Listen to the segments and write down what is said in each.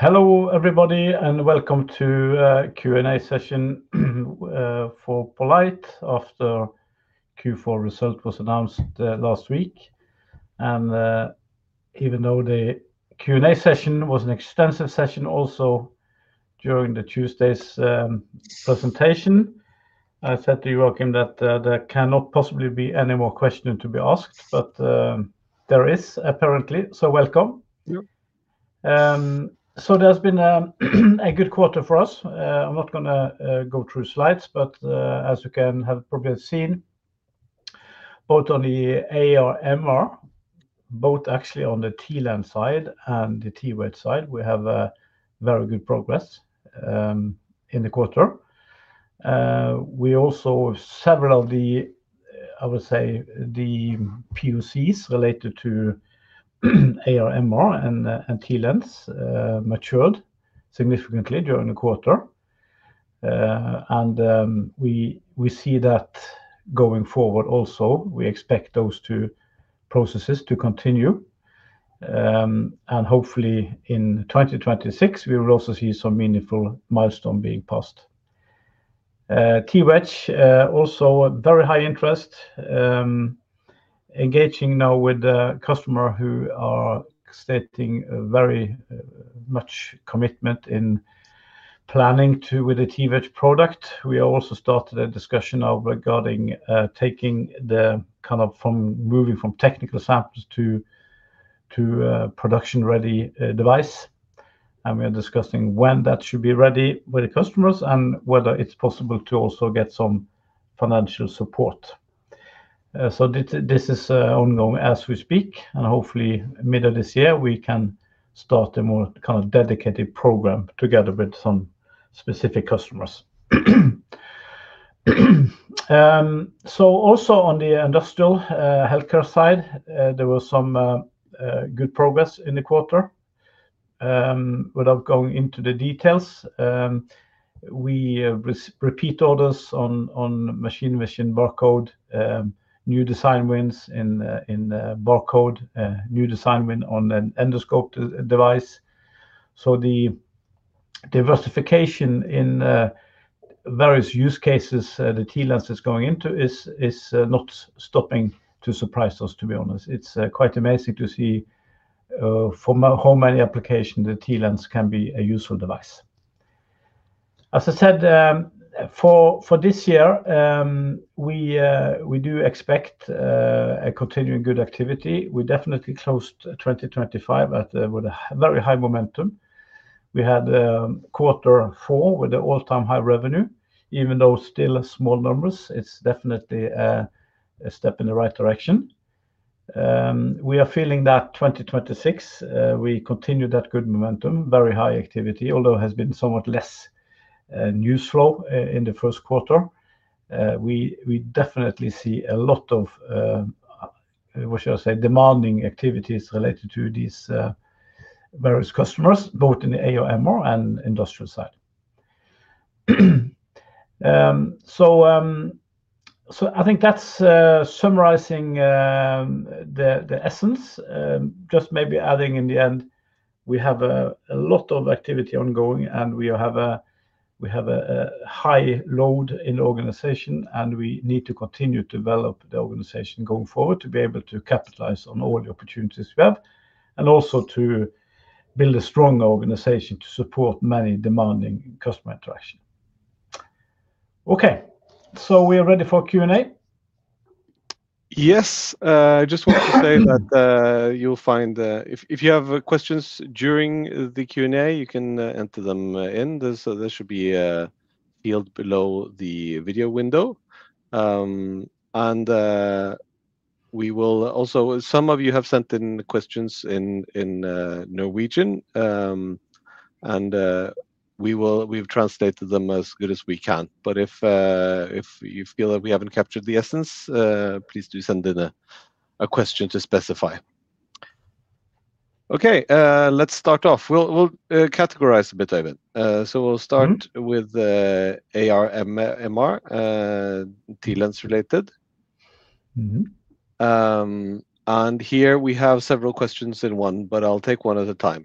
Hello, everybody, and welcome to Q&A session for poLight after Q4 result was announced last week. Even though the Q&A session was an extensive session also during the Tuesday's presentation, I said to you, Joakim, that there cannot possibly be any more questioning to be asked, but there is apparently. Welcome. Yep. There's been a good quarter for us. I'm not gonna go through slides, but as you can have probably seen, both on the AR-MR, both actually on the TLens side and the TWedge side, we have a very good progress in the quarter. We also... Several of the, I would say, the POCs related to AR-MR and TLens matured significantly during the quarter. We see that going forward also. We expect those two processes to continue. Hopefully in 2026 we will also see some meaningful milestone being passed. TWedge also very high interest. Engaging now with the customer who are stating very much commitment in planning to with the TWedge product. We also started a discussion of regarding taking the kind of from moving from technical samples to production-ready device, and we are discussing when that should be ready with the customers and whether it's possible to also get some financial support. This is ongoing as we speak, and hopefully middle of this year we can start a more kind of dedicated program together with some specific customers. Also on the industrial healthcare side, there was some good progress in the quarter. Without going into the details, we repeat orders on machine vision barcode, new design wins in in barcode, new design win on an endoscope device. The diversification in various use cases, the TLens is going into is not stopping to surprise us, to be honest. It's quite amazing to see how many applications the TLens can be a useful device. As I said, for this year, we do expect a continuing good activity. We definitely closed 2025 with a very high momentum. We had Q4 with the all-time high revenue, even though still small numbers, it's definitely a step in the right direction. We are feeling that 2026, we continue that good momentum, very high activity, although has been somewhat less news flow in the first quarter. We definitely see a lot of what should I say, demanding activities related to these various customers, both in the AR-MR and industrial side. I think that's summarizing the essence. Just maybe adding in the end, we have a lot of activity ongoing, and we have a high load in organization, and we need to continue to develop the organization going forward to be able to capitalize on all the opportunities we have and also to build a strong organization to support many demanding customer interaction. Okay. We are ready for Q&A. Yes. I just want to say that, you'll find, if you have questions during the Q&A, you can enter them in. There's, there should be a field below the video window. We will also... Some of you have sent in questions in Norwegian, and, we've translated them as good as we can. If, if you feel that we haven't captured the essence, please do send in a question to specify. Okay, let's start off. We'll categorize a bit, Øyvind. We'll start- Mm-hmm with AR-MR, MR, TLens related. Mm-hmm. Here we have several questions in one, but I'll take one at a time.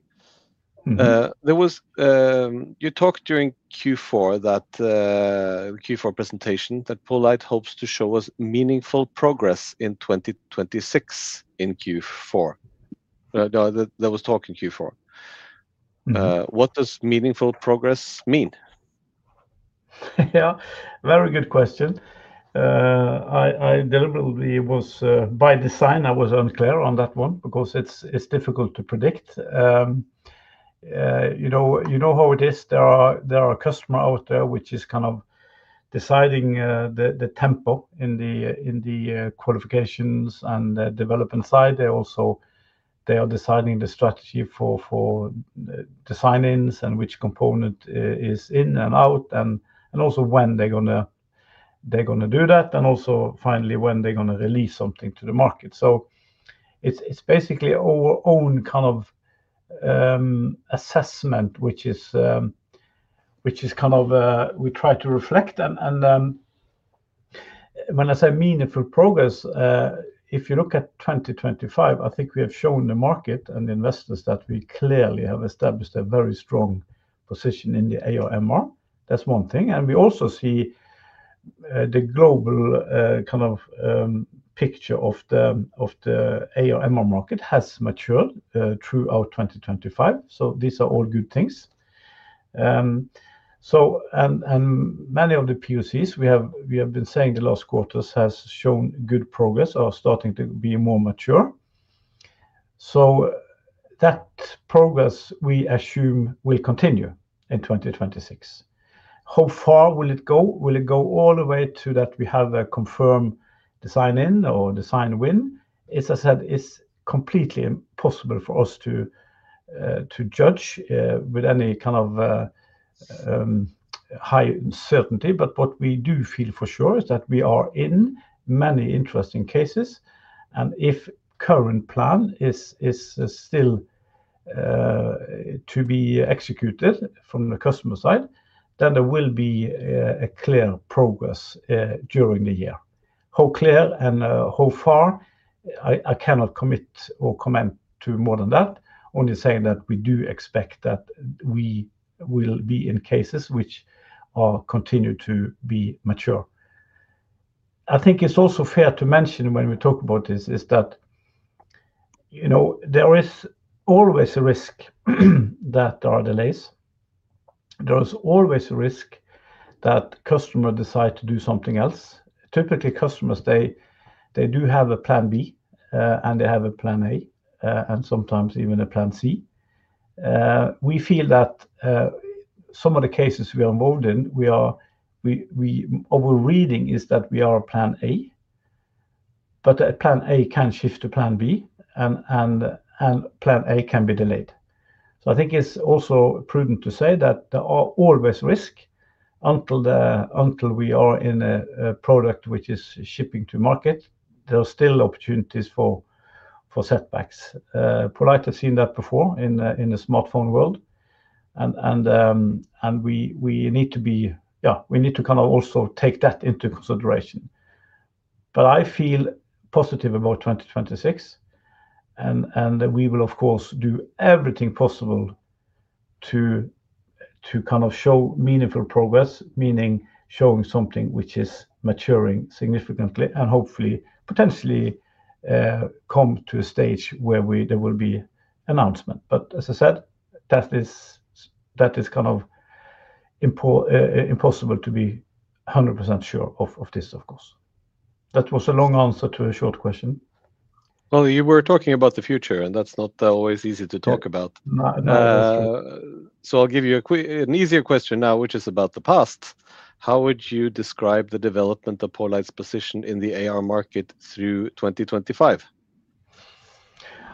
Mm-hmm. You talked during Q4 that, Q4 presentation, that poLight hopes to show us meaningful progress in 2026 in Q4. No, there was talk in Q4. Mm-hmm. What does meaningful progress mean? Yeah. Very good question. I deliberately was by design, I was unclear on that one because it's difficult to predict. You know, you know how it is. There are customer out there which is kind of deciding the tempo in the qualifications and the development side. They also, they are deciding the strategy for design-ins and which component is in and out, and also when they're gonna do that, and also finally when they're gonna release something to the market. It's basically our own kind of assessment, which is kind of we try to reflect. When I say meaningful progress, if you look at 2025, I think we have shown the market and the investors that we clearly have established a very strong position in the AR/MR. That's one thing. We also see the global kind of picture of the AR/MR market has matured throughout 2025. These are all good things. And many of the POCs we have been saying the last quarters has shown good progress, are starting to be more mature. That progress, we assume, will continue in 2026. How far will it go? Will it go all the way to that we have a confirmed design-in or design win? As I said, it's completely impossible for us to judge with any kind of high certainty. What we do feel for sure is that we are in many interesting cases, and if current plan is still to be executed from the customer side, then there will be a clear progress during the year. How clear and how far, I cannot commit or comment to more than that. Only saying that we do expect that we will be in cases which are continue to be mature. I think it's also fair to mention when we talk about this is that, you know, there is always a risk that there are delays. There's always a risk that customer decide to do something else. Typically, customers, they do have a plan B, and they have a plan A, and sometimes even a plan C. We feel that some of the cases we are involved in, our reading is that we are plan A, but plan A can shift to plan B, and plan A can be delayed. I think it's also prudent to say that there are always risk until we are in a product which is shipping to market, there are still opportunities for setbacks. poLight has seen that before in the smartphone world, and we need to be... Yeah, we need to kind of also take that into consideration. I feel positive about 2026 and we will of course do everything possible to kind of show meaningful progress, meaning showing something which is maturing significantly and hopefully, potentially, come to a stage where there will be announcement. As I said, that is kind of impossible to be 100% sure of this, of course. That was a long answer to a short question. Well, you were talking about the future, and that's not always easy to talk about. Yeah. No, that's true. I'll give you an easier question now, which is about the past. How would you describe the development of poLight's position in the AR market through 2025?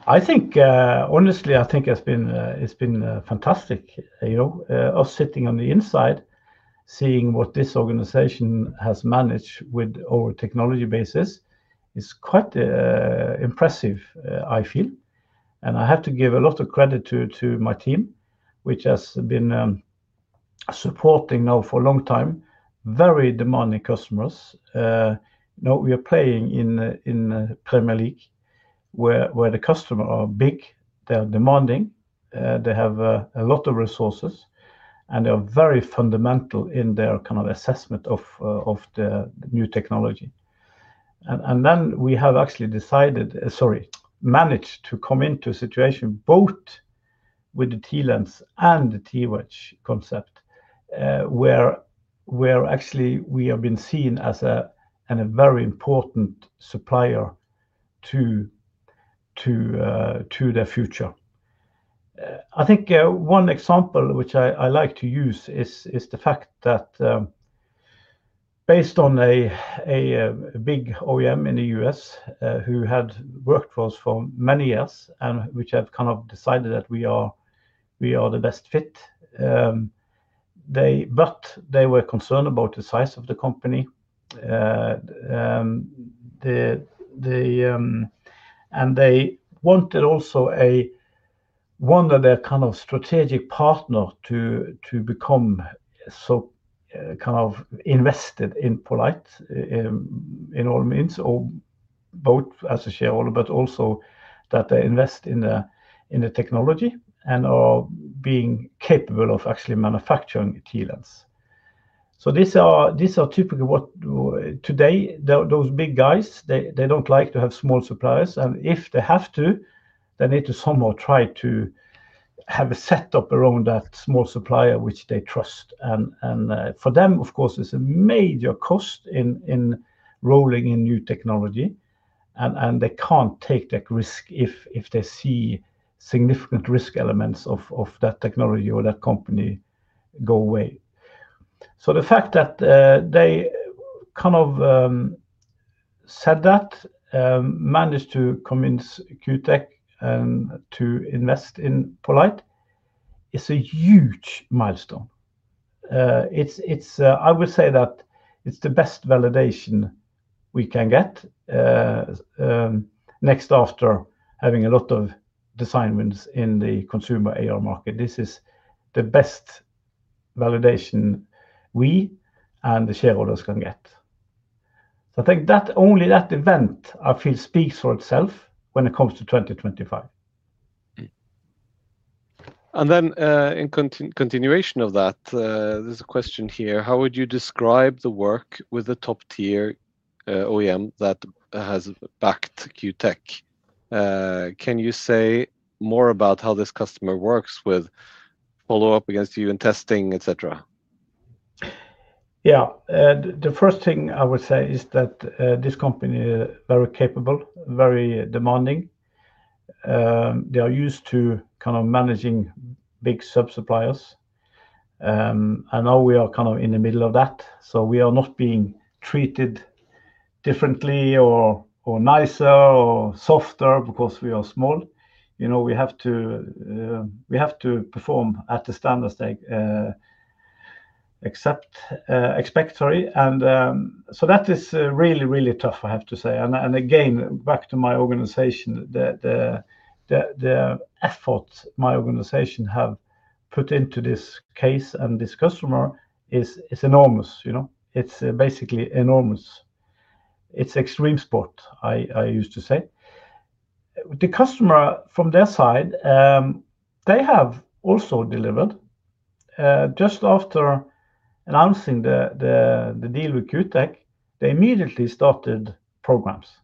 I think, honestly, I think it's been fantastic. You know, us sitting on the inside seeing what this organization has managed with our technology bases is quite impressive, I feel. I have to give a lot of credit to my team, which has been supporting now for a long time, very demanding customers. You know, we are playing in Premier League where the customer are big, they are demanding, they have a lot of resources, and they are very fundamental in their kind of assessment of the new technology. We have actually decided, sorry, managed to come into a situation both with the TLens and the TWedge concept, where actually we have been seen as a very important supplier to their future. I think one example which I like to use is the fact that based on a big OEM in the US who had worked for us for many years and which have kind of decided that we are the best fit, but they were concerned about the size of the company. And they wanted also a... wanted their kind of strategic partner to become so, kind of invested in poLight, in all means, or both as a shareholder, but also that they invest in the technology and are being capable of actually manufacturing TLens. These are typically what today, those big guys, they don't like to have small suppliers, and if they have to, they need to somehow try to have a setup around that small supplier which they trust. For them, of course, it's a major cost in rolling in new technology, and they can't take that risk if they see significant risk elements of that technology or that company go away. The fact that they kind of said that managed to convince Q-Tech to invest in poLight is a huge milestone. It's, it's... I would say that it's the best validation we can get, next after having a lot of design wins in the consumer AR market. This is the best validation we and the shareholders can get. I think that only that event, I feel, speaks for itself when it comes to 2025. In continuation of that, there's a question here. How would you describe the work with the top-tier OEM that has backed Q-Tech? Can you say more about how this customer works with follow-up against you in testing, et cetera? Yeah. The first thing I would say is that this company are very capable, very demanding. They are used to kind of managing big sub-suppliers, and now we are kind of in the middle of that. we are not being treated differently or nicer or softer because we are small. You know, we have to perform at the standards they accept, expect, sorry. that is really, really tough, I have to say. again, back to my organization, the effort my organization have put into this case and this customer is enormous, you know. It's basically enormous. It's extreme sport, I used to say. The customer, from their side, they have also delivered. Just after announcing the deal with Q-Tech, they immediately started programs.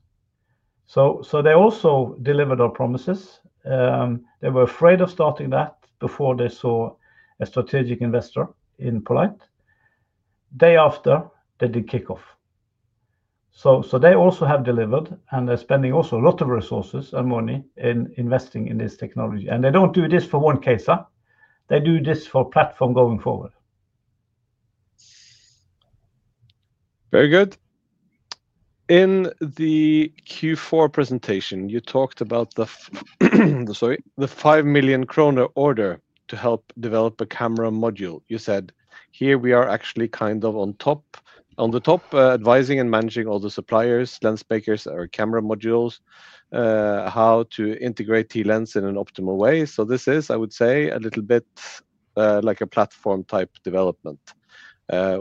They also delivered on promises. They were afraid of starting that before they saw a strategic investor in poLight. Day after, they did kickoff. They also have delivered, and they're spending also a lot of resources and money in investing in this technology. They don't do this for one case, huh. They do this for platform going forward. Very good. Sorry. The 5 million kroner order to help develop a camera module. You said, "Here we are actually kind of on the top, advising and managing all the suppliers, lens makers, or camera modules, how to integrate TLens in an optimal way. So this is, I would say, a little bit, like a platform-type development.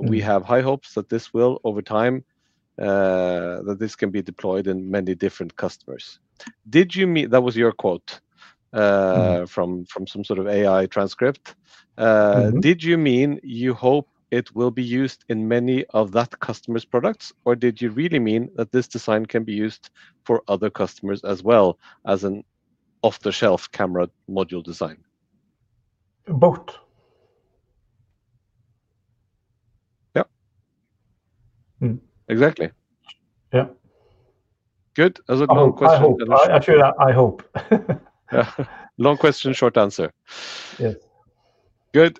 We have high hopes that this will, over time, that this can be deployed in many different customers." That was your quote from some sort of AI transcript. Did you mean you hope it will be used in many of that customer's products, or did you really mean that this design can be used for other customers as well as an off-the-shelf camera module design? Both. Yep. Mm. Exactly. Yep. Good. That's a long question. I hope. I actually, I hope. Long question, short answer. Yes. Good.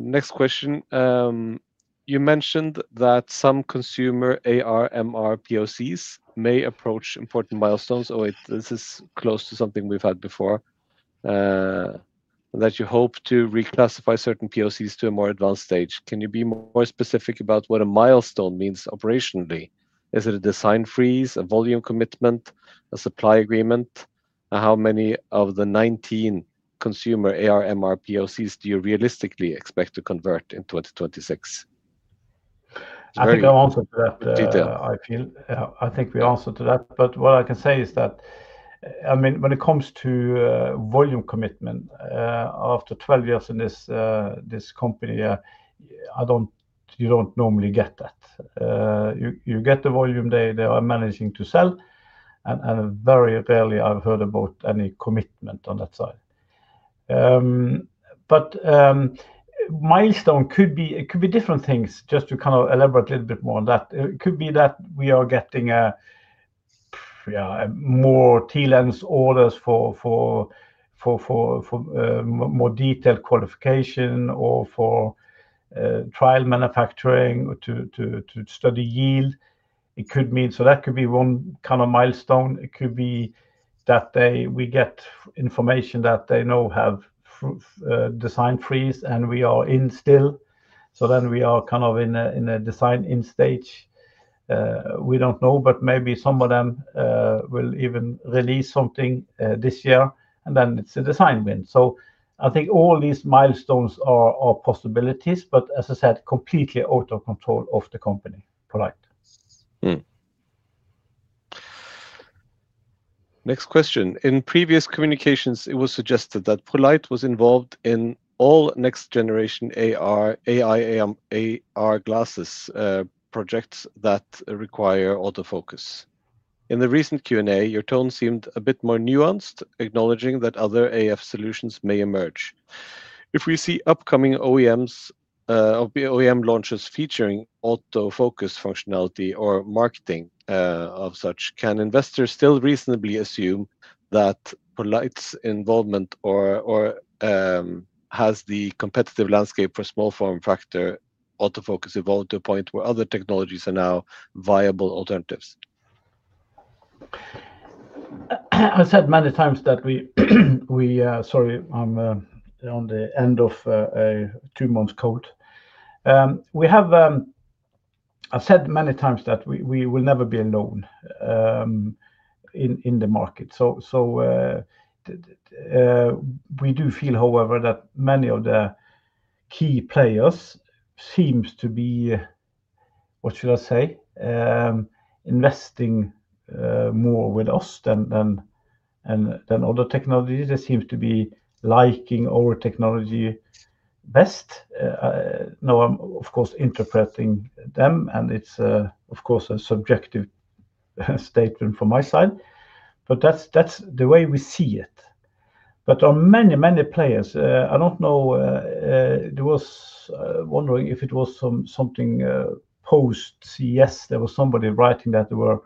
Next question. You mentioned that some consumer AR/MR POCs may approach important milestones. Oh, wait, this is close to something we've had before. That you hope to reclassify certain POCs to a more advanced stage. Can you be more specific about what a milestone means operationally? Is it a design freeze, a volume commitment, a supply agreement? How many of the 19 consumer AR/MR POCs do you realistically expect to convert in 2026? I think I answered that. -detailed I feel. I think we answered to that. What I can say is that, I mean, when it comes to volume commitment, after 12 years in this company, you don't normally get that. You get the volume they are managing to sell, and very rarely I've heard about any commitment on that side. Milestone could be, it could be different things, just to kind of elaborate a little bit more on that. It could be that we are getting, yeah, more TLens orders for more detailed qualification or for trial manufacturing to study yield. So that could be one kind of milestone. It could be that we get information that they now have design freeze, and we are in still. We are kind of in a design-in stage. We don't know, but maybe some of them will even release something this year, and then it's a design win. I think all these milestones are possibilities, but as I said, completely out of control of the company, poLight. Next question. In previous communications, it was suggested that poLight was involved in all next generation AI/AR glasses, projects that require autofocus. In the recent Q&A, your tone seemed a bit more nuanced, acknowledging that other AF solutions may emerge. If we see upcoming OEMs, OEM launches featuring autofocus functionality or marketing of such, can investors still reasonably assume that poLight's involvement or has the competitive landscape for small form factor autofocus evolved to a point where other technologies are now viable alternatives? Sorry, I'm on the end of a 2-month cold. I've said many times that we will never be alone in the market. We do feel, however, that many of the key players seems to be, what should I say, investing more with us than other technologies. They seem to be liking our technology best. Now I'm of course interpreting them, and it's, of course, a subjective statement from my side, but that's the way we see it. There are many, many players. I don't know, wondering if it was something post-CES, there was somebody writing that there were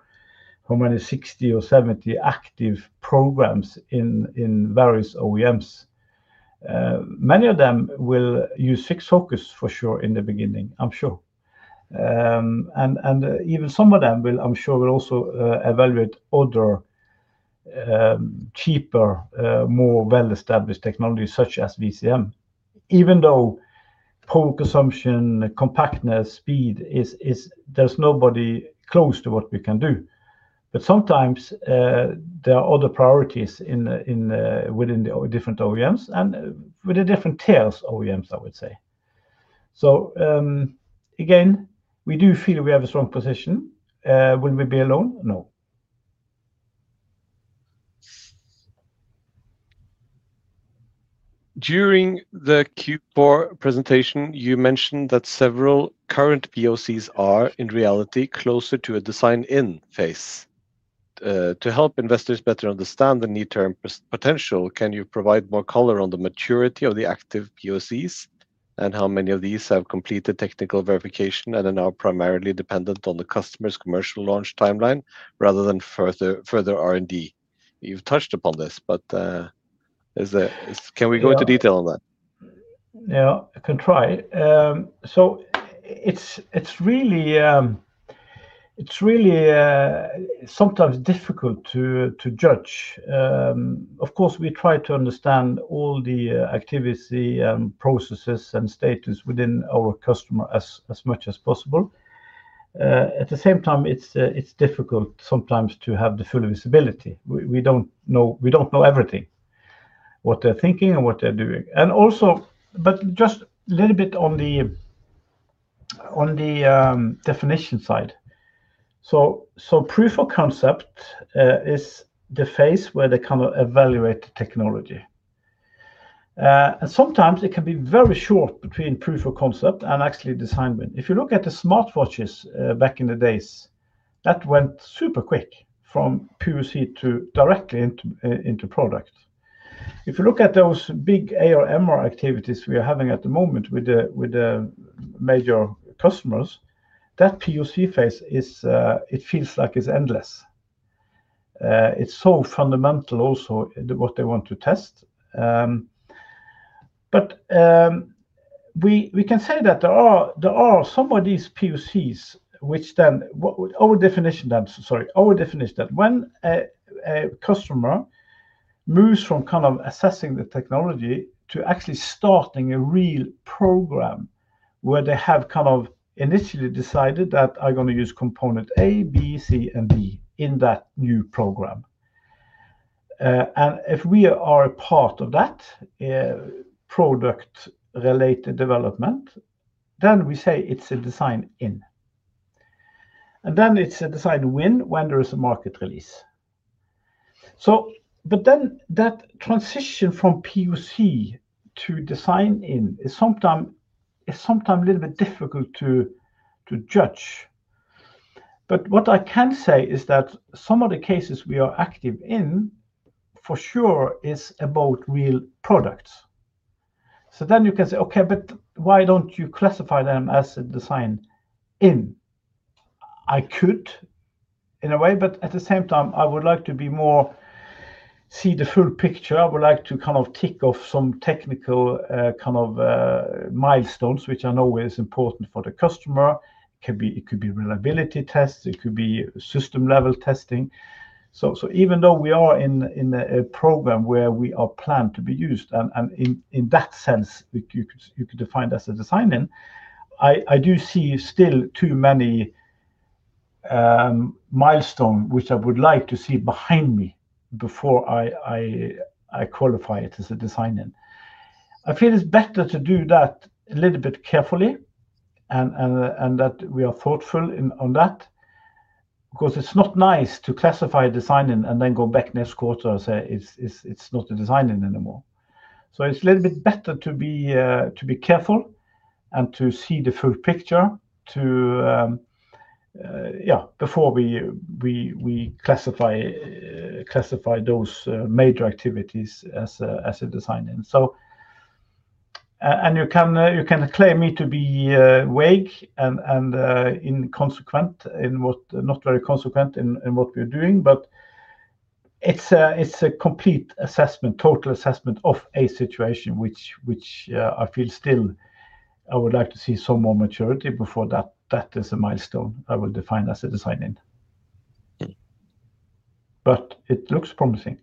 how many? 60 or 70 active programs in various OEMs. Many of them will use FixFocus for sure in the beginning, I'm sure. Even some of them will, I'm sure, will also evaluate other, cheaper, more well-established technologies such as VCM. Even though power consumption, compactness, speed is, there's nobody close to what we can do. Sometimes, there are other priorities in, within the different OEMs and with the different tiers OEMs, I would say. Again, we do feel we have a strong position. Will we be alone? No. During the Q4 presentation, you mentioned that several current POCs are, in reality, closer to a design-in phase. To help investors better understand the near-term potential, can you provide more color on the maturity of the active POCs and how many of these have completed technical verification and are now primarily dependent on the customer's commercial launch timeline rather than further R&D? You've touched upon this. Can we go into detail on that? Yeah, I can try. It's really sometimes difficult to judge. Of course, we try to understand all the activity, processes, and status within our customer as much as possible. At the same time, it's difficult sometimes to have the full visibility. We don't know everything, what they're thinking and what they're doing. Just a little bit on the definition side. Proof of concept is the phase where they come and evaluate the technology. Sometimes it can be very short between proof of concept and actually design win. If you look at the smartwatches back in the days, that went super quick from POC to directly into product. If you look at those big AR-MR activities we are having at the moment with the major customers, that POC phase is, it feels like it's endless. It's so fundamental also what they want to test. We can say that there are some of these POCs which then our definition that when a customer moves from kind of assessing the technology to actually starting a real program where they have kind of initially decided that I'm gonna use component A, B, C, and D in that new program. If we are a part of that product-related development, then we say it's a design-in. Then it's a design win when there is a market release. That transition from POC to design-in is sometime a little bit difficult to judge. What I can say is that some of the cases we are active in for sure is about real products. You can say, "Okay, why don't you classify them as a design-in?" I could in a way, at the same time, I would like to be more, see the full picture. I would like to kind of tick off some technical, kind of, milestones, which I know is important for the customer. It could be reliability tests, it could be system-level testing. Even though we are in a program where we are planned to be used, and in that sense, you could define that as a design-in, I do see still too many milestone, which I would like to see behind me before I qualify it as a design-in. I feel it's better to do that a little bit carefully and that we are thoughtful in, on that because it's not nice to classify design-in and then go back next quarter and say it's not a design-in anymore. It's a little bit better to be careful and to see the full picture to yeah, before we classify those major activities as a design-in. You can claim me to be vague and inconsequent in what, not very consequent in what we're doing, it's a complete assessment, total assessment of a situation which I feel still I would like to see some more maturity before that is a milestone I will define as a design-in. It looks promising.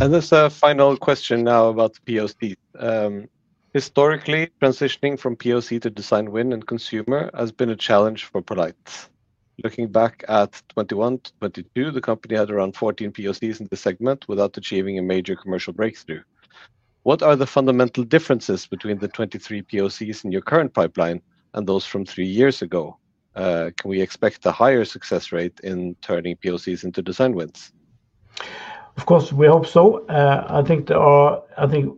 As a final question now about POC. Historically, transitioning from POC to design win and consumer has been a challenge for poLight. Looking back at 2021 to 2022, the company had around 14 POCs in the segment without achieving a major commercial breakthrough. What are the fundamental differences between the 23 POCs in your current pipeline and those from 3 years ago? Can we expect a higher success rate in turning POCs into design wins? Of course, we hope so. I think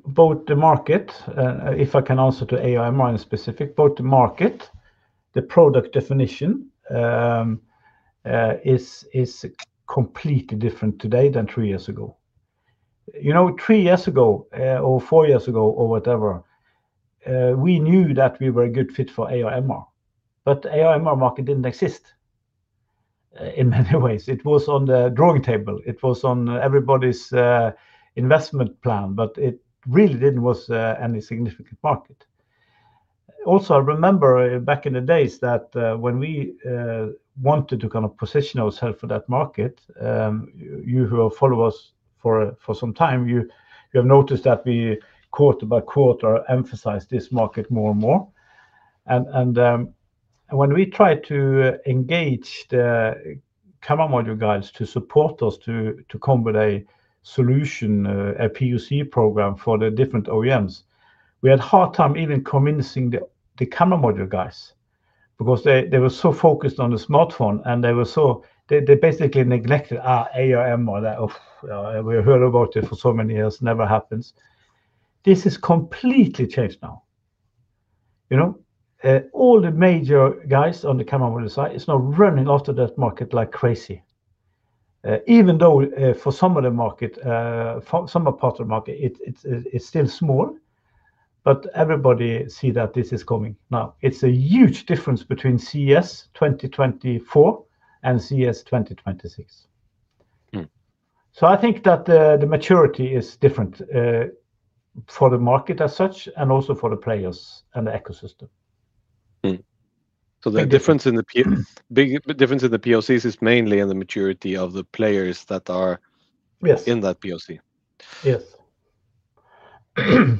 both the market, if I can answer to AR/MR in specific, both the market, the product definition, is completely different today than three years ago. You know, three years ago, or four years ago or whatever, we knew that we were a good fit for AR/MR, but AR/MR market didn't exist in many ways. It was on the drawing table. It was on everybody's investment plan, it really didn't was any significant market. I remember back in the days that when we wanted to kind of position ourself for that market, you who have followed us for some time, you have noticed that we quarter by quarter or emphasize this market more and more. When we try to engage the camera module guys to support us to come with a solution, a PUC program for the different OEMs, we had hard time even convincing the camera module guys because they were so focused on the smartphone, and they basically neglected our AR/MR. Like, "Ugh, we heard about it for so many years, never happens." This is completely changed now. You know, all the major guys on the camera module side is now running after that market like crazy. Even though for some part of the market, it's still small, but everybody see that this is coming now. It's a huge difference between CES 2024 and CES 2026. Mm. I think that the maturity is different for the market as such and also for the players and the ecosystem. The difference in the big difference in the POCs is mainly in the maturity of the players that are- Yes... in that POC. Yes.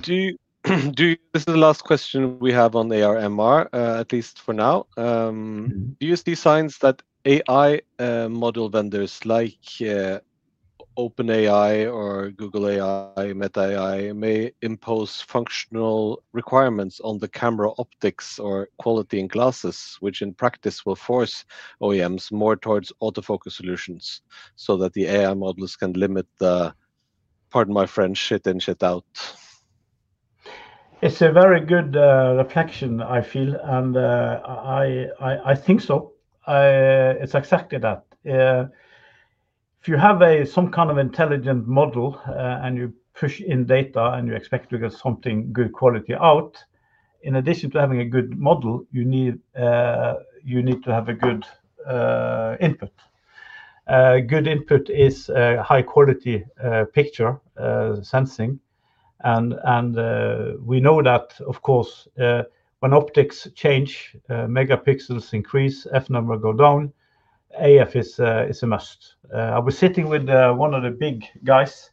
This is the last question we have on AR/MR, at least for now. Do you see signs that AI model vendors like OpenAI or Google AI, Meta AI may impose functional requirements on the camera optics or quality in glasses, which in practice will force OEMs more towards autofocus solutions so that the AI models can limit the waste? It's a very good reflection, I feel, and I, I think so. It's exactly that. If you have some kind of intelligent model, and you push in data, and you expect to get something good quality out, in addition to having a good model, you need, you need to have a good input. A good input is a high-quality picture, sensing, and, we know that, of course, when optics change, megapixels increase, F-number go down, AF is a, is a must. I was sitting with one of the big guys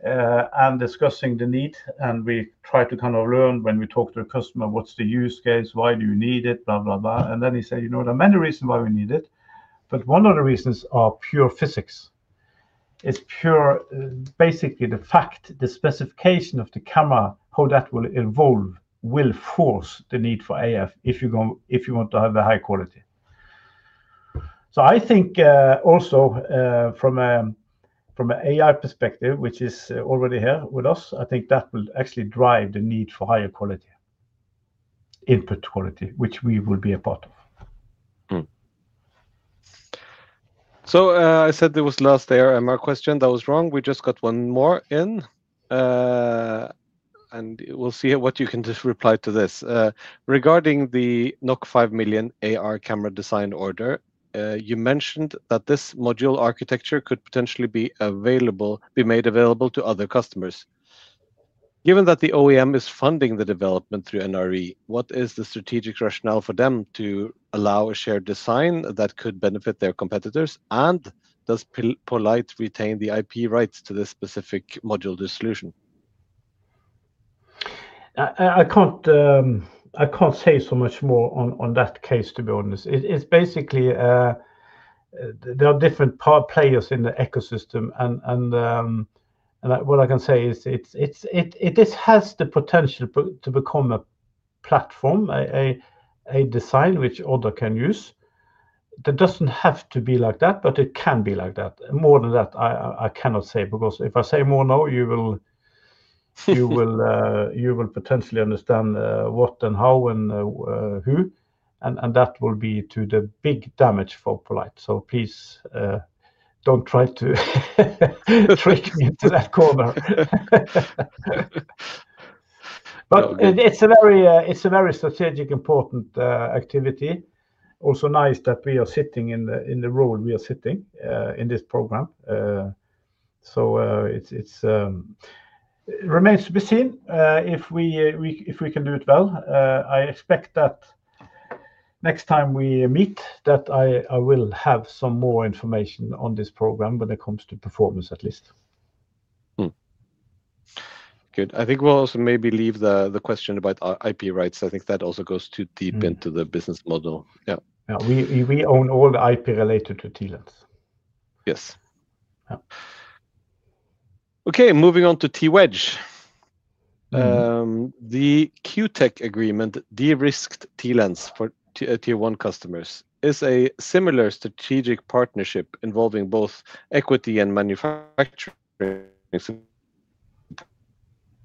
and discussing the need, and we tried to kind of learn when we talk to a customer, what's the use case, why do you need it, blah, blah. He said, "You know, there are many reasons why we need it, but one of the reasons are pure physics." It's pure, basically the fact, the specification of the camera, how that will evolve, will force the need for AF if you want to have a high quality. I think also from a AI perspective, which is already here with us, I think that will actually drive the need for higher quality, input quality, which we will be a part of. I said that was the last AR/MR question. That was wrong. We just got one more in, we'll see what you can just reply to this. Regarding the 5 million AR camera design order, you mentioned that this module architecture could potentially be made available to other customers. Given that the OEM is funding the development through NRE, what is the strategic rationale for them to allow a shared design that could benefit their competitors, does poLight retain the IP rights to this specific module solution? I can't say so much more on that case, to be honest. It is basically, there are different players in the ecosystem and what I can say is this has the potential to become a platform, a design which other can use. That doesn't have to be like that, but it can be like that. More than that, I cannot say, because if I say more now, you will potentially understand what and how and who, and that will be to the big damage for poLight. Please, don't try to trick me into that corner. It's a very, it's a very strategic important activity. Also nice that we are sitting in the, in the role we are sitting in this program. It's remains to be seen if we can do it well. I expect Next time we meet that I will have some more information on this program when it comes to performance at least. Mm-hmm. Good. I think we'll also maybe leave the question about IP rights. I think that also goes too deep. Mm-hmm. into the business model. Yeah. Yeah. We own all the IP related to TLens. Yes. Yeah. Okay, moving on to TWedge. Mm-hmm. The Q-Tech agreement de-risked TLens for tier one customers is a similar strategic partnership involving both equity and manufacturing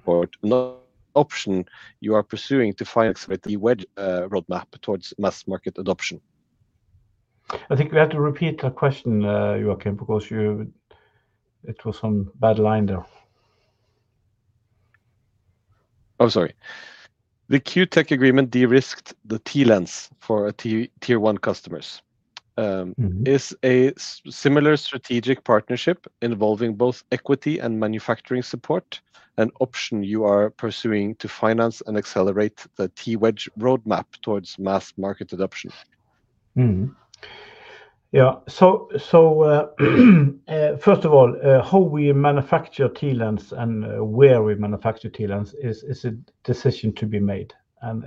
or no option you are pursuing to finance with the TWedge roadmap towards mass market adoption? I think we have to repeat that question, Joakim, because you. It was some bad line there. Oh, sorry. The Q-Tech agreement de-risked the TLens for a tier one customers. Mm-hmm. Is a similar strategic partnership involving both equity and manufacturing support an option you are pursuing to finance and accelerate the TWedge roadmap towards mass market adoption? Yeah. So, first of all, how we manufacture TLens and where we manufacture TLens is a decision to be made.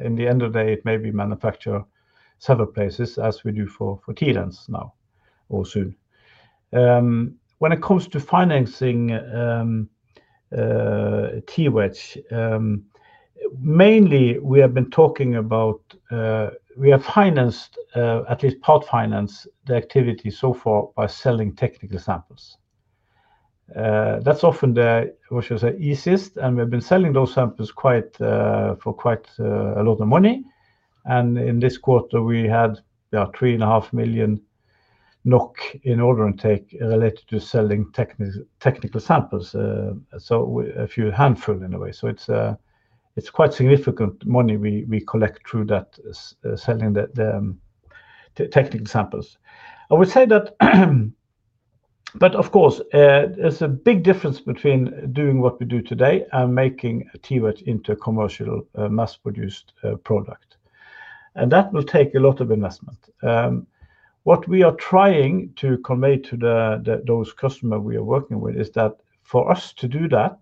In the end of the day, it may be manufacture several places as we do for TLens now or soon. When it comes to financing, TWedge, mainly we have been talking about, we have financed, at least part financed the activity so far by selling technical samples. That's often the, what should I say, easiest, and we've been selling those samples quite, for quite, a lot of money. In this quarter we had, yeah, 3.5 million NOK in order intake related to selling technical samples. A few handful in a way. It's quite significant money we collect through that, selling the technical samples. I would say that, but of course, there's a big difference between doing what we do today and making a TWedge into commercial, mass produced product. That will take a lot of investment. What we are trying to convey to those customers we are working with is that for us to do that,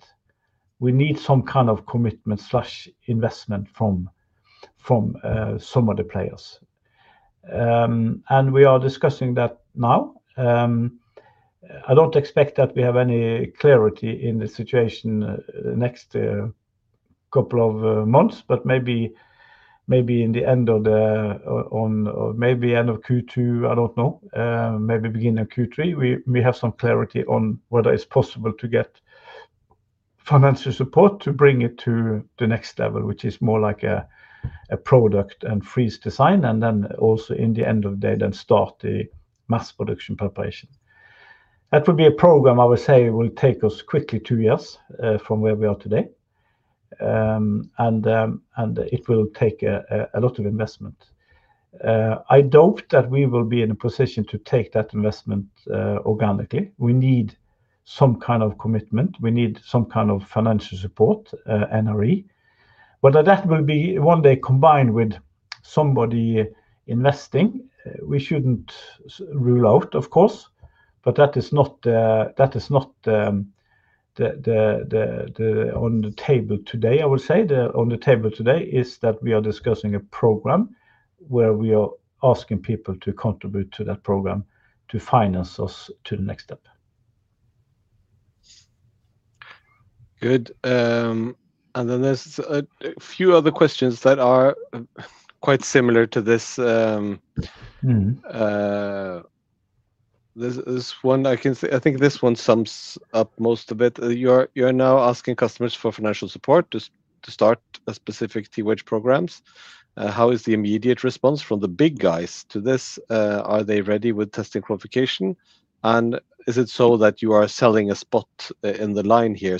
we need some kind of commitment/investment from some of the players. We are discussing that now. I don't expect that we have any clarity in the situation, next couple of months. Maybe end of Q2, I don't know, maybe beginning of Q3, we have some clarity on whether it's possible to get financial support to bring it to the next level, which is more like a product and freeze design. Then also in the end of the day, then start the mass production preparation. That would be a program I would say will take us quickly two years from where we are today. It will take a lot of investment. I doubt that we will be in a position to take that investment organically. We need some kind of commitment. We need some kind of financial support, NRE. Whether that will be one day combined with somebody investing, we shouldn't rule out, of course. That is not the on the table today, I will say. The on the table today is that we are discussing a program where we are asking people to contribute to that program to finance us to the next step. Good. There's a few other questions that are quite similar to this. Mm-hmm. There's one I think this one sums up most of it. You're now asking customers for financial support to start a specific TWedge programs. How is the immediate response from the big guys to this? Are they ready with testing qualification? Is it so that you are selling a spot in the line here,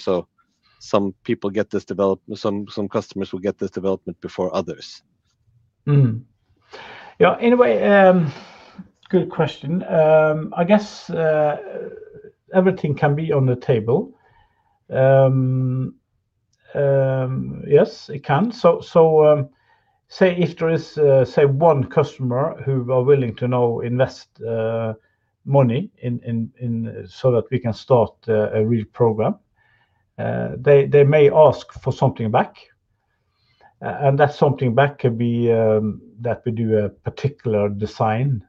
so some people get this development, some customers will get this development before others? Yeah. Anyway, good question. I guess everything can be on the table. Yes, it can. Say if there is say one customer who are willing to now invest money in so that we can start a real program, they may ask for something back. That something back could be that we do a particular design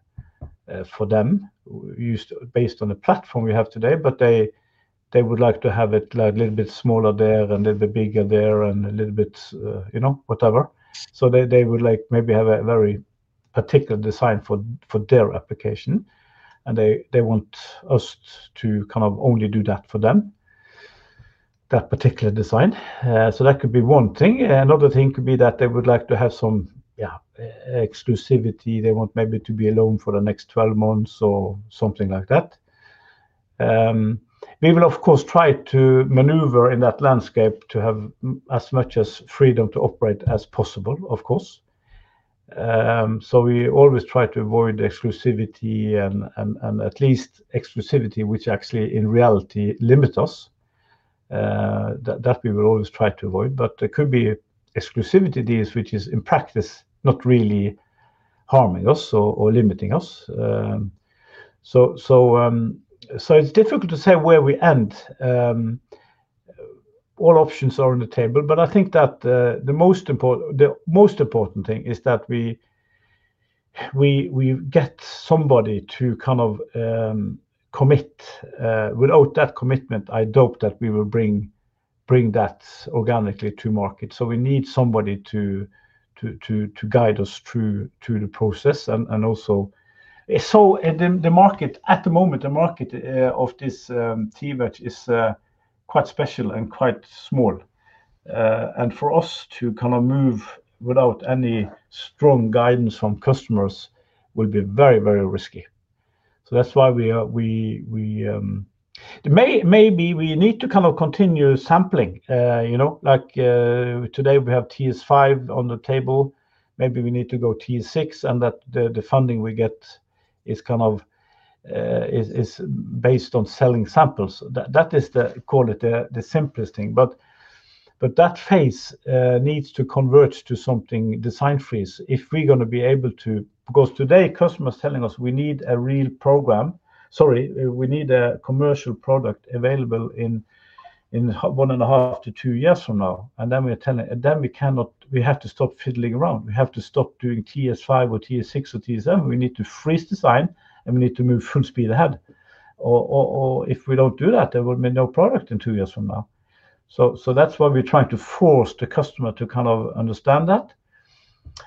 for them used based on the platform we have today, but they would like to have it, like, little bit smaller there and a little bit bigger there and a little bit, you know, whatever. They would like maybe have a very particular design for their application, and they want us to kind of only do that for them, that particular design. That could be one thing. Another thing could be that they would like to have some, yeah, exclusivity. They want maybe to be alone for the next 12 months or something like that. We will of course try to maneuver in that landscape to have as much as freedom to operate as possible of course. We always try to avoid exclusivity and at least exclusivity which actually in reality limit us. That we will always try to avoid. There could be exclusivity deals which is in practice not really harming us or limiting us. So it's difficult to say where we end. All options are on the table, but I think that the most important thing is that we get somebody to kind of commit. Without that commitment, I doubt that we will bring that organically to market. We need somebody to guide us through the process and also. Then the market, at the moment, the market of this TWedge is quite special and quite small. And for us to kind of move without any strong guidance from customers will be very, very risky. That's why we are. Maybe we need to kind of continue sampling. You know, like, today we have TS5 on the table, maybe we need to go TS6, and that the funding we get is kind of based on selling samples. That is the, call it the simplest thing. That phase needs to convert to something design freeze if we're gonna be able to. Today, customers telling us, "We need a real program." Sorry, "We need a commercial product available in one and a half to two years from now." We are telling, and then we cannot, we have to stop fiddling around. We have to stop doing TS5 or TS6 or TS7. We need to freeze design, and we need to move full speed ahead. If we don't do that, there will be no product in two years from now. That's why we're trying to force the customer to kind of understand that.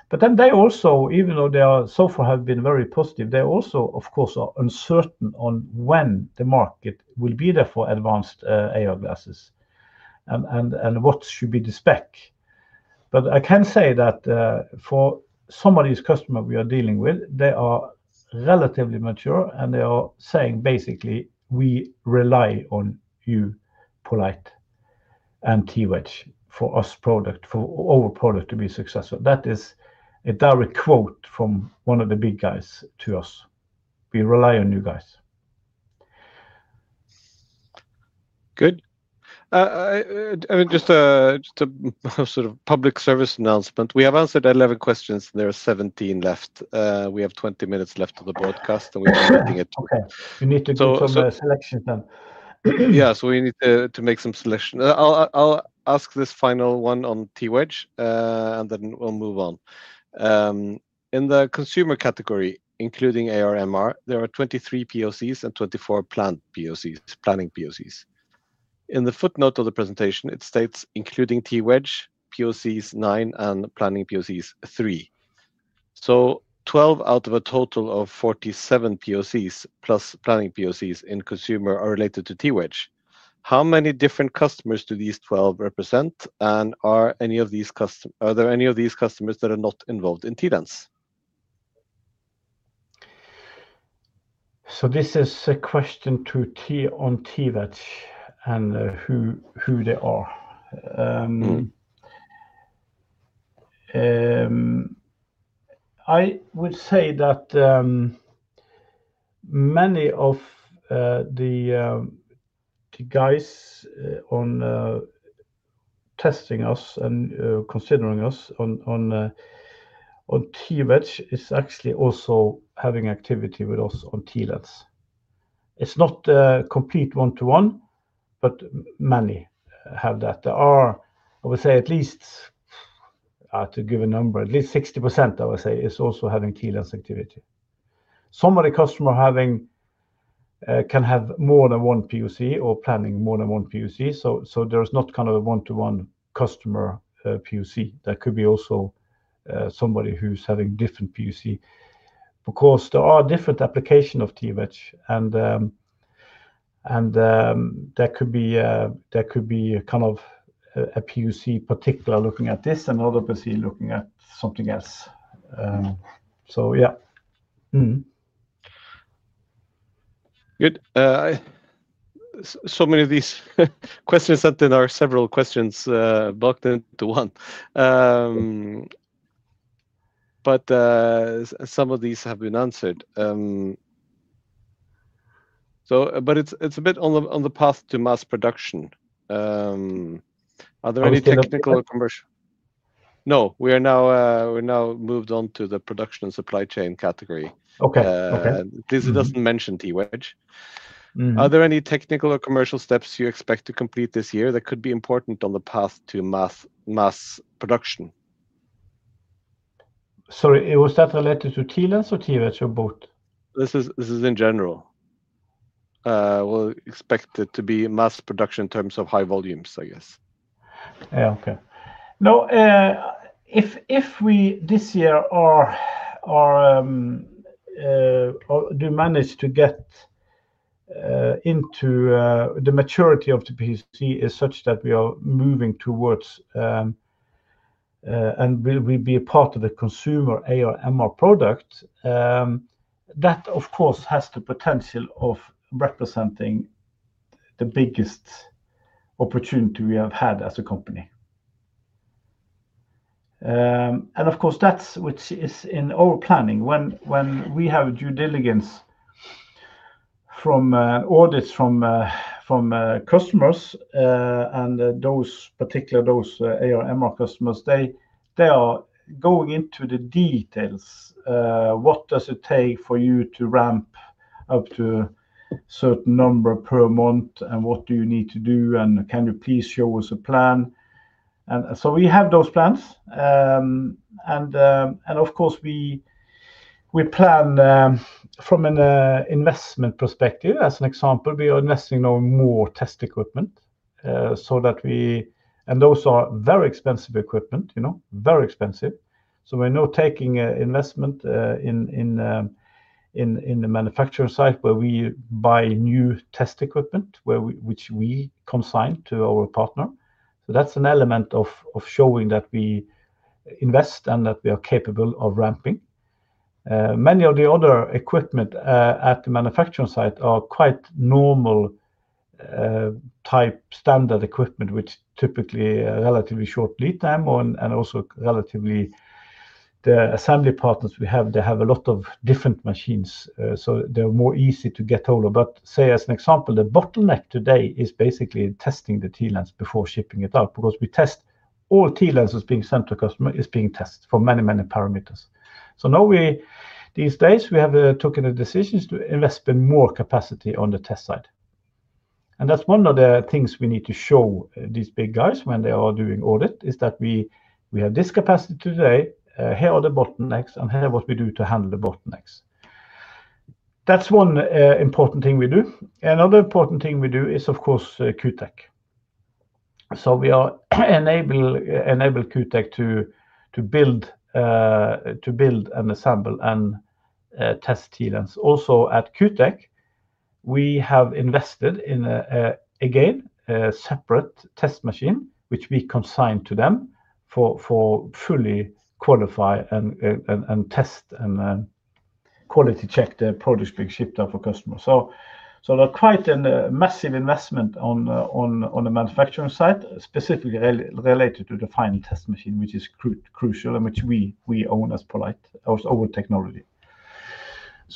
They also, even though they are so far have been very positive, they also, of course, are uncertain on when the market will be there for advanced AR glasses and what should be the spec. I can say that for some of these customer we are dealing with, they are relatively mature, and they are saying basically, "We rely on you, poLight and TWedge, for our product to be successful." That is a direct quote from one of the big guys to us, "We rely on you guys. Good. I mean, just a sort of public service announcement. We have answered 11 questions, and there are 17 left. We have 20 minutes left of the broadcast, and we are running. Okay. We need to do some selection then. We need to make some selection. I'll ask this final one on TWedge, and then we'll move on. In the consumer category, including AR/MR, there are 23 POCs and 24 planned POCs, planning POCs. In the footnote of the presentation, it states, "Including TWedge, POCs 9 and planning POCs 3." 12 out of a total of 47 POCs plus planning POCs in consumer are related to TWedge. How many different customers do these 12 represent, and are any of these customers that are not involved in TLens? This is a question on TWedge and who they are. I would say that many of the guys on testing us and considering us on TWedge is actually also having activity with us on TLens. It's not a complete one-to-one, but many have that. There are, I would say at least to give a number, at least 60%, I would say, is also having TLens activity. Some of the customer having can have more than one POC or planning more than one POC, so there is not kind of a one-to-one customer POC. There could be also somebody who's having different POC. Of course, there are different application of TWedge, and, there could be a kind of a POC particular looking at this and other POC looking at something else. So yeah. Good. So many of these questions that there are several questions blocked into one. Some of these have been answered. It's, it's a bit on the path to mass production. Are there any technical or commercial. I was thinking- No. We are now, we now moved on to the production and supply chain category. Okay. Okay. This doesn't mention TWedge. Mm-hmm. Are there any technical or commercial steps you expect to complete this year that could be important on the path to mass production? Sorry, was that related to TLens or TWedge or both? This is in general. Well, expected to be mass production in terms of high volumes, I guess. Yeah, okay. No, if we, this year, are or do manage to get into the maturity of the PC is such that we are moving towards, and will we be a part of the consumer AR/MR product, that, of course, has the potential of representing the biggest opportunity we have had as a company. Of course, that's which is in our planning. When we have due diligence from audits from customers, and those particular AR/MR customers, they are going into the details. What does it take for you to ramp up to a certain number per month? What do you need to do? Can you please show us a plan? We have those plans. Of course, we plan from an investment perspective, as an example, we are investing on more test equipment so that we. Those are very expensive equipment, you know, very expensive. We're now taking investment in the manufacturing site where we buy new test equipment which we consign to our partner. That's an element of showing that we invest and that we are capable of ramping. Many of the other equipment at the manufacturing site are quite normal type standard equipment, which typically a relatively short lead time on, and also relatively the assembly partners we have, they have a lot of different machines so they're more easy to get hold of. Say, as an example, the bottleneck today is basically testing the TLens before shipping it out, because we test all TLenses being sent to customer is being tested for many, many parameters. Now these days, we have taken the decisions to invest in more capacity on the test side. That's one of the things we need to show these big guys when they are doing audit, is that we have this capacity today, here are the bottlenecks, and here what we do to handle the bottlenecks. That's one important thing we do. Another important thing we do is, of course, Q-Tech. We are enable Q-Tech to build and assemble and test TLens. At Q-Tech, we have invested in again, a separate test machine, which we consign to them for fully qualify and test and then quality check the products being shipped out for customers. Quite a massive investment on the manufacturing side, specifically related to the final test machine, which is crucial and which we own as poLight, our technology.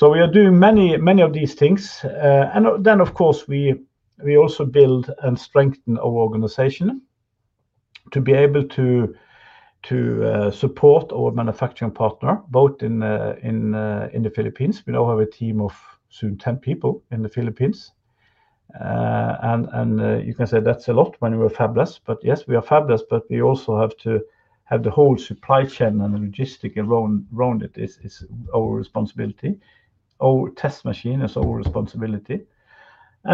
We are doing many of these things. Of course, we also build and strengthen our organization to be able to support our manufacturing partner, both in the Philippines. We now have a team of soon 10 people in the Philippines. You can say that's a lot when we were fabless. Yes, we are fabless, but we also have to have the whole supply chain and the logistic around it is our responsibility. Our test machine is our responsibility.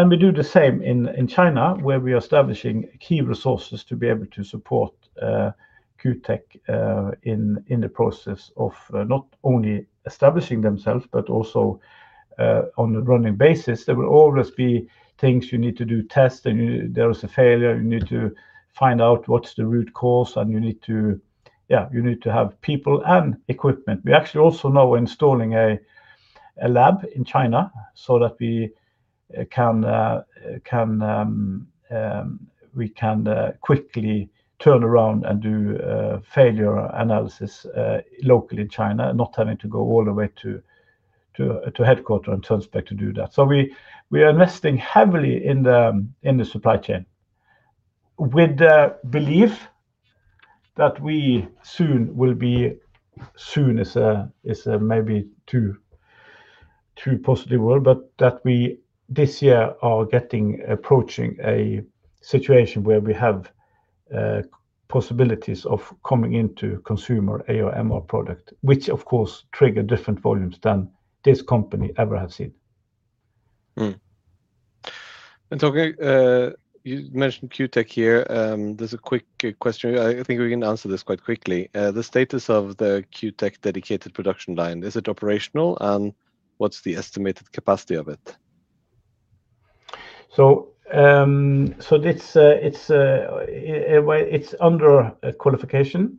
We do the same in China, where we are establishing key resources to be able to support Q-Tech in the process of not only establishing themselves, but also on a running basis. There will always be things you need to do, test, there is a failure, you need to find out what's the root cause, and you need to have people and equipment. We actually also now installing a lab in China so that we can quickly turn around and do failure analysis locally in China, not having to go all the way to headquarter and turn spec to do that. We are investing heavily in the supply chain with the belief that we soon will be, soon is a maybe too positive word, but that we this year are getting, approaching a situation where we have possibilities of coming into consumer AR/MR product, which of course trigger different volumes than this company ever have seen. Mm-hmm. Øyvind, you mentioned Q-Tech here. There's a quick question. I think we can answer this quite quickly. The status of the Q-Tech dedicated production line, is it operational? What's the estimated capacity of it? This, it's under a qualification.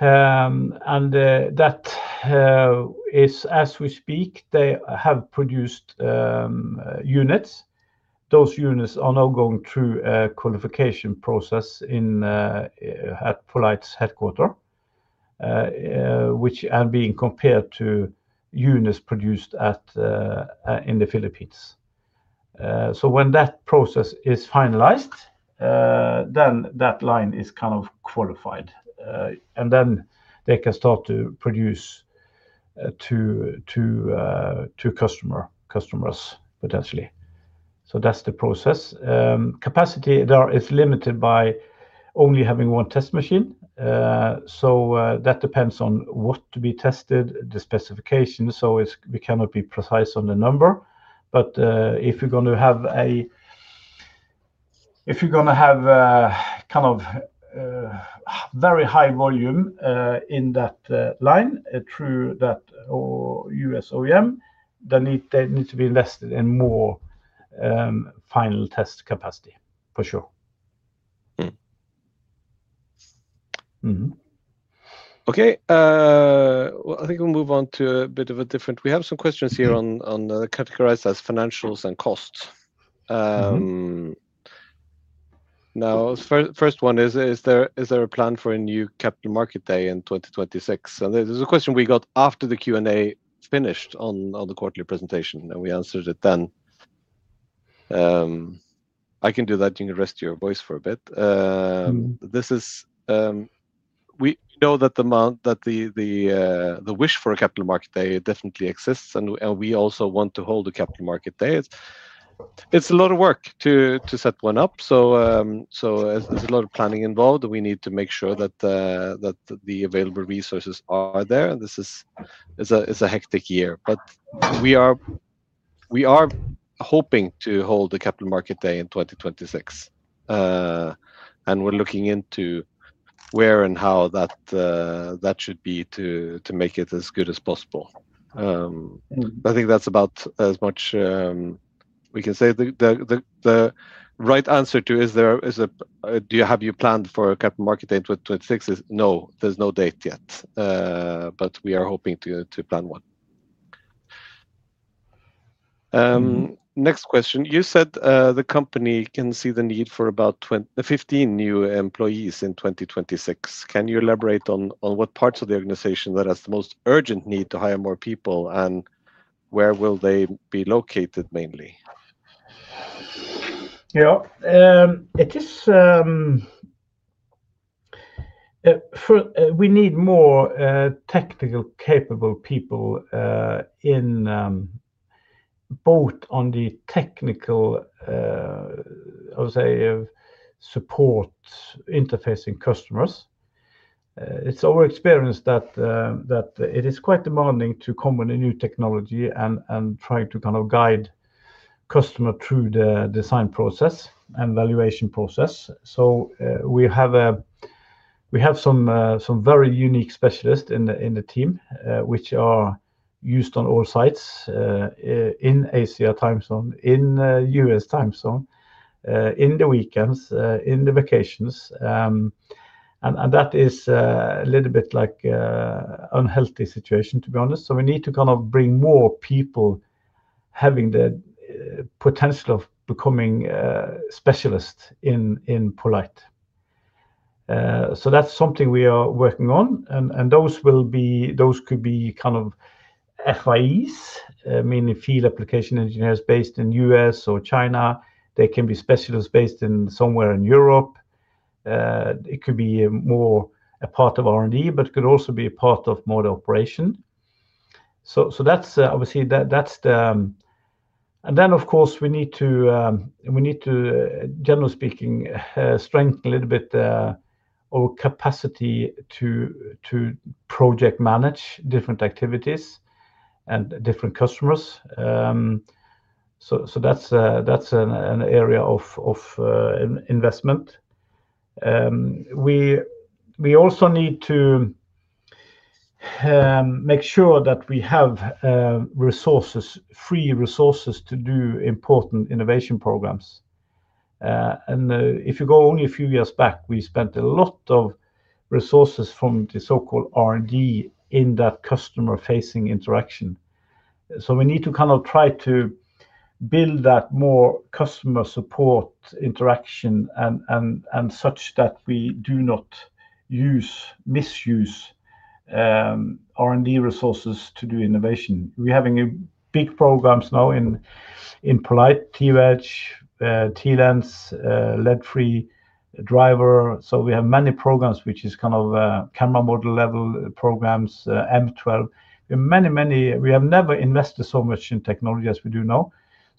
That is as we speak, they have produced units. Those units are now going through a qualification process in at poLight's headquarter, which are being compared to units produced at in the Philippines. When that process is finalized, then that line is kind of qualified, and then they can start to produce to customer, customers, potentially. That's the process. Capacity there is limited by only having one test machine. That depends on what to be tested, the specification. It's, we cannot be precise on the number. If you're gonna have a, kind of, very high volume, in that line through that U.S. OEM, they need to be invested in more final test capacity, for sure. Okay. Well, I think we'll move on to a bit of a different... We have some questions here categorized as financials and costs. Now, first one is there a plan for a new capital market day in 2026? This is a question we got after the Q&A finished on the quarterly presentation, and we answered it then. I can do that, and you can rest your voice for a bit. This is, we know that the wish for a capital market day definitely exists, and we also want to hold a capital market day. It's a lot of work to set one up. There's a lot of planning involved. We need to make sure that the available resources are there. This is, it's a hectic year. We are hoping to hold a capital market day in 2026. We're looking into where and how that should be to make it as good as possible. I think that's about as much we can say. The right answer to is there, do you have your plan for a capital market day in 2026 is no, there's no date yet. We are hoping to plan one. Next question. You said, the company can see the need for about 15 new employees in 2026. Can you elaborate on what parts of the organization that has the most urgent need to hire more people, and where will they be located mainly? It is for we need more technical capable people in both on the technical, I would say of support interfacing customers. It's our experience that it is quite demanding to come with a new technology and try to kind of guide customer through the design process and evaluation process. We have some very unique specialists in the team, which are used on all sites, in Asian time zone, in US time zone, in the weekends, in the vacations. That is a little bit like a unhealthy situation, to be honest. We need to kind of bring more people having the potential of becoming a specialist in poLight. That's something we are working on. Those could be kind of FAEs, meaning Field Application Engineers based in U.S. or China. They can be specialists based in somewhere in Europe. It could be more a part of R&D, but it could also be a part of model operation. That's obviously the. Of course, we need to, generally speaking, strengthen a little bit our capacity to project manage different activities and different customers. That's an area of investment. We also need to make sure that we have resources, free resources to do important innovation programs. If you go only a few years back, we spent a lot of resources from the so-called R&D in that customer-facing interaction. We need to try to build that more customer support interaction and such that we do not misuse R&D resources to do innovation. We're having a big programs now in poLight, TWedge, TLens, lead-free driver. We have many programs which is camera model level programs, M12. We have never invested so much in technology as we do now.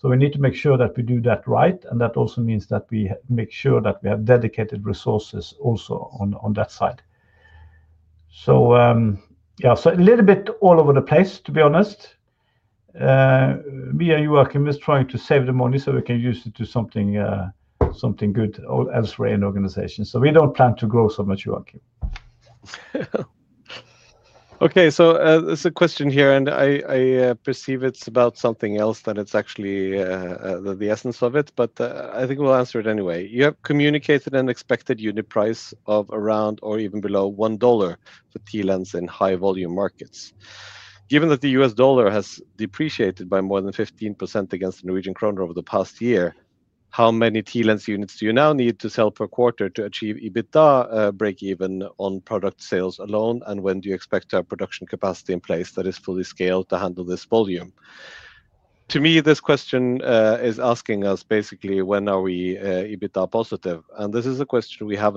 We need to make sure that we do that right, and that also means that we make sure that we have dedicated resources also on that side. Yeah. A little bit all over the place, to be honest. Me and Joakim is trying to save the money so we can use it to something good or elsewhere in the organization. We don't plan to grow so much, Joakim. Okay. There's a question here, and I perceive it's about something else than it's actually the essence of it, I think we'll answer it anyway. You have communicated an expected unit price of around or even below $1 for TLens in high volume markets. Given that the US dollar has depreciated by more than 15% against the Norwegian kroner over the past year, how many TLens units do you now need to sell per quarter to achieve EBITDA break even on product sales alone, and when do you expect to have production capacity in place that is fully scaled to handle this volume? To me, this question is asking us basically when are we EBITDA positive, and this is a question we have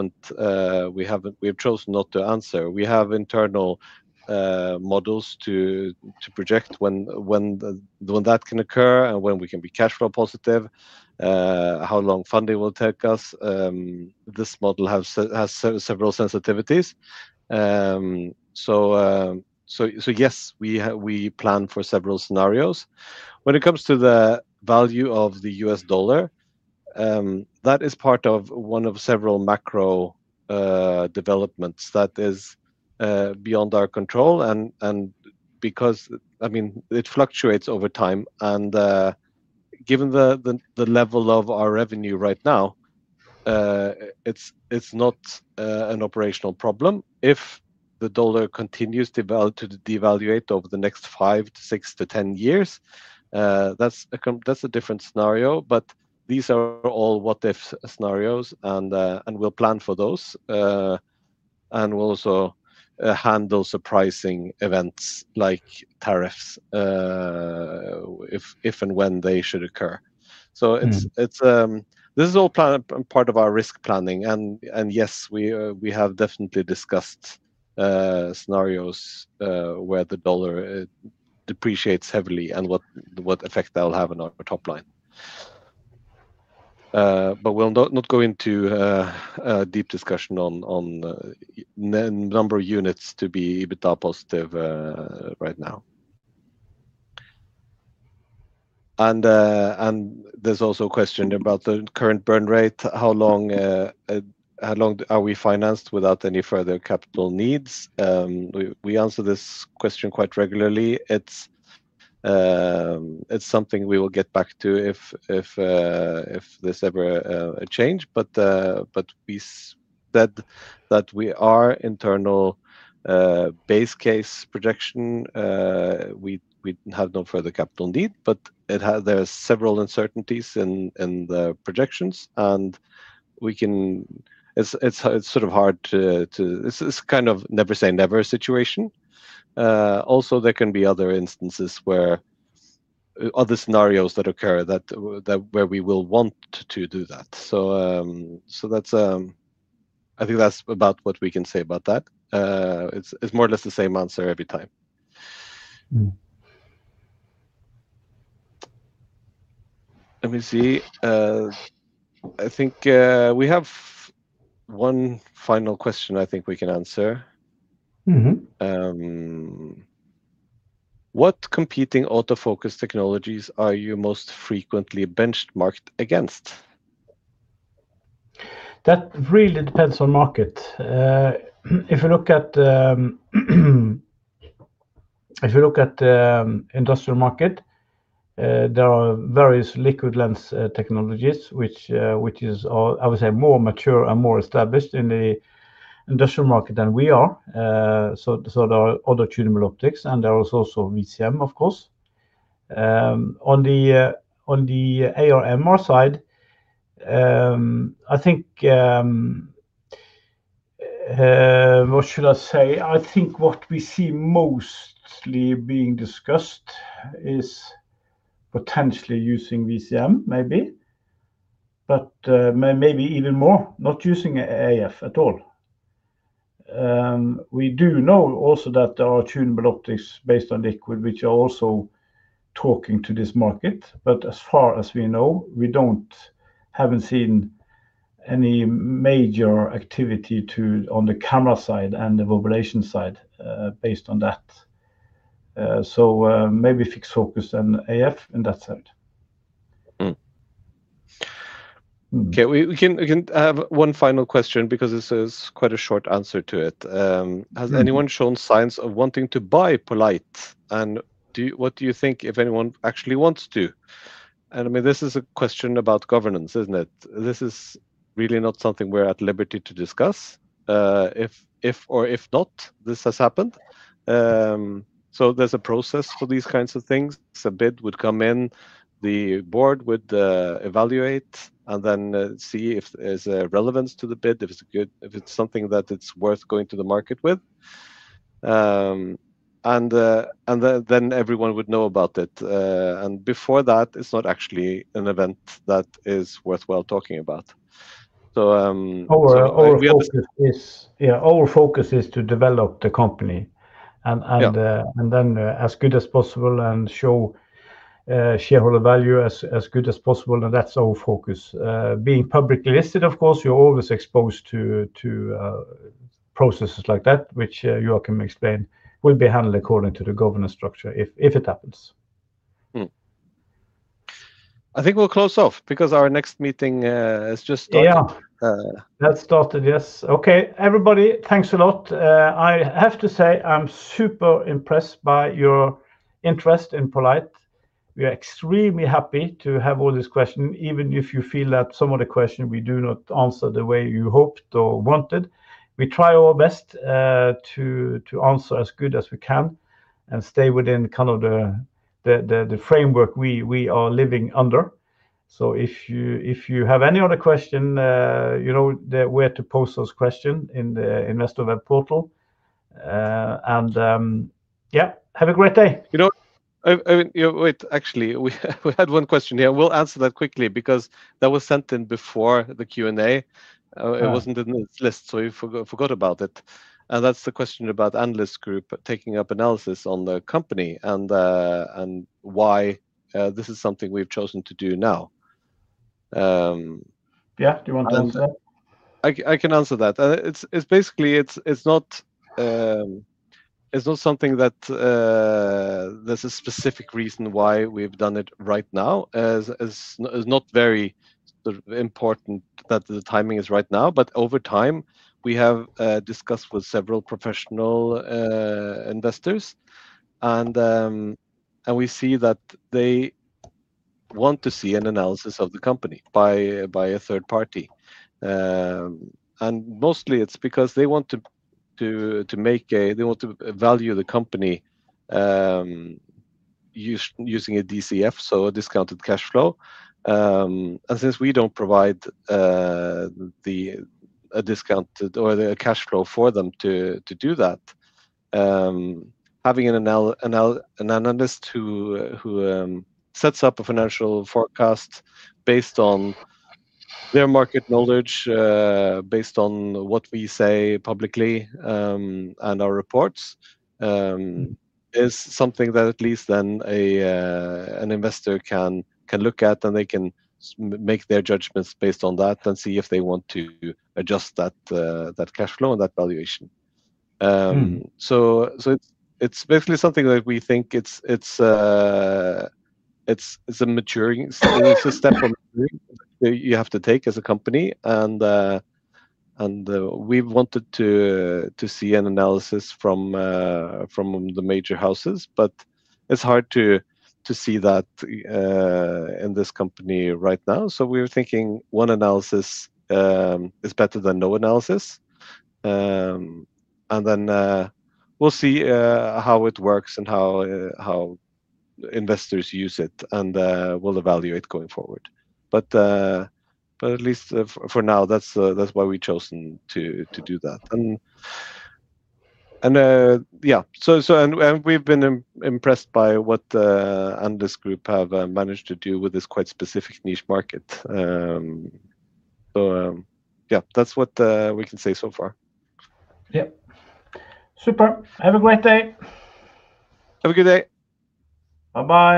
chosen not to answer. We have internal models to project when that can occur and when we can be cash flow positive, how long funding will take us. This model has several sensitivities. Yes, we plan for several scenarios. When it comes to the value of the US dollar, that is part of one of several macro developments that is beyond our control and because, I mean, it fluctuates over time. Given the level of our revenue right now, it's not an operational problem. If the dollar continues to devaluate over the next 5 to 6 to 10 years, that's a different scenario. These are all what-if scenarios, and we'll plan for those. We'll also handle surprising events like tariffs, if and when they should occur. Mm. This is all part of our risk planning, and yes, we have definitely discussed scenarios where the dollar depreciates heavily and what effect that will have on our top line. We'll not go into a deep discussion on number of units to be EBITDA positive right now. There's also a question about the current burn rate. How long are we financed without any further capital needs? We answer this question quite regularly. It's something we will get back to if there's ever a change. We that we are internal base case projection, we have no further capital need. There are several uncertainties in the projections, and we can. It's sort of hard to. It's kind of never say never situation. Also there can be other instances where other scenarios that occur that where we will want to do that. That's, I think that's about what we can say about that. It's more or less the same answer every time. Mm. Let me see. I think we have one final question I think we can answer. Mm-hmm. What competing autofocus technologies are you most frequently benchmarked against? That really depends on market. If you look at, if you look at the industrial market, there are various liquid lens technologies which is all, I would say, more mature and more established in the industrial market than we are. There are other tunable optics, and there is also VCM, of course. On the, on the AR-MR side, I think, what should I say? I think what we see mostly being discussed is potentially using VCM maybe, but, maybe even more not using AF at all. We do know also that there are tunable optics based on liquid, which are also talking to this market, but as far as we know, we haven't seen any major activity to... on the camera side and the vibration side, based on that. Maybe fixed focus and AF in that sense. Okay. We can have one final question because this is quite a short answer to it. Mm-hmm... has anyone shown signs of wanting to buy poLight? What do you think if anyone actually wants to? I mean, this is a question about governance, isn't it? This is really not something we're at liberty to discuss, if or if not this has happened. There's a process for these kinds of things. A bid would come in, the board would evaluate, and then, see if there's a relevance to the bid, if it's good, if it's something that it's worth going to the market with. Then everyone would know about it. Before that, it's not actually an event that is worthwhile talking about. We obviously- Our focus is. Yeah, our focus is to develop. Yeah... and then, as good as possible and show shareholder value as good as possible. That's our focus. Being publicly listed, of course, you're always exposed to processes like that, which Joakim can explain, will be handled according to the governance structure if it happens. I think we'll close off because our next meeting has just started. Yeah. Uh- Has started, yes. Everybody, thanks a lot. I have to say, I'm super impressed by your interest in poLight. We are extremely happy to have all these questions, even if you feel that some of the questions we do not answer the way you hoped or wanted. We try our best to answer as good as we can and stay within kind of the framework we are living under. If you have any other question, you know the where to pose those question in the investor web portal. Have a great day. You know, wait, actually, we had one question here. We'll answer that quickly because that was sent in before the Q&A. Oh. It wasn't in this list, so we forgot about it. That's the question about Analyst Group taking up analysis on the company and why this is something we've chosen to do now. Yeah, do you want to answer that? I can answer that. It's basically, it's not something that there's a specific reason why we've done it right now. It's not very sort of important that the timing is right now. Over time, we have discussed with several professional investors. We see that they want to see an analysis of the company by a third party. Mostly it's because they want to value the company using a DCF, so a discounted cash flow. Since we don't provide a discounted or the cash flow for them to do that, having an analyst who sets up a financial forecast based on their market knowledge, based on what we say publicly, and our reports, is something that at least then an investor can look at, and they can make their judgments based on that and see if they want to adjust that cash flow and that valuation. It's basically something that we think it's a maturing system you have to take as a company. We wanted to see an analysis from the major houses. It's hard to see that in this company right now. We were thinking one analysis is better than no analysis. Then we'll see how it works and how investors use it, and we'll evaluate going forward. At least for now, that's why we've chosen to do that. Yeah. We've been impressed by what Analyst Group have managed to do with this quite specific niche market. Yeah, that's what we can say so far. Yeah. Super. Have a great day. Have a good day. Bye-bye.